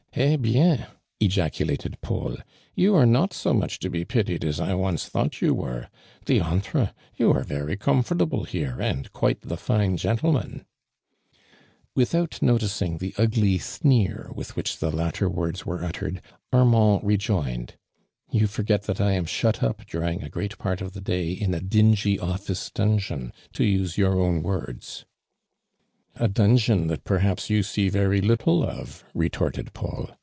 "A'A6i>»/" ejacukt^ Paul, " yon are not so much to be pitied as I once thought you were. iHantrel you are very comfort able here and quite the tine gentleman I" Without noticing the ugjiy sneer wit!* whidi the latter words were uttereti, Armand rejoined: " You forget that I an» shut up during a great part of the day in u duigy ottice dungeon, to use your own. woiils." "A dungeon that perhaps you see very little of !" retorted Paul.